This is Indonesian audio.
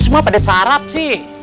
lu semua pada sarap sih